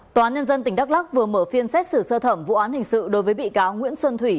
tòa án nhân dân tỉnh đắk lắc vừa mở phiên xét xử sơ thẩm vụ án hình sự đối với bị cáo nguyễn xuân thủy